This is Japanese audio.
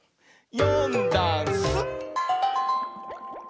「よんだんす」